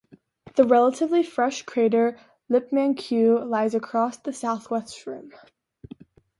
The relatively fresh crater Lippmann Q lies across the southwest rim.